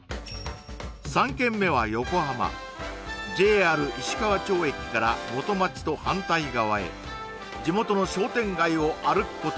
３軒目は横浜ＪＲ石川町駅から元町と反対側へ地元の商店街を歩くこと